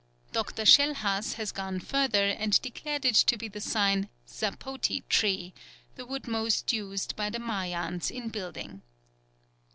Dr. Schellhas has gone further and declared it to be the sign "zapote tree," the wood most used by the Mayans in building.